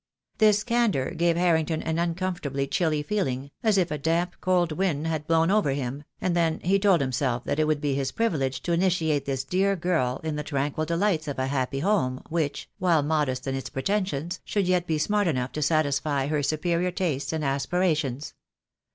This candour gave Harrington an uncomfortably chilly feeling, as if a damp cold wind had blown over him, and then he told himself that it would be his privilege to initiate this dear girl in the tranquil delights of a happy home, which, while modest in its pretensions, should yet be smart enough to satisfy her superior tastes and aspirations.